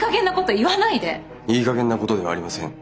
いい加減なことではありません。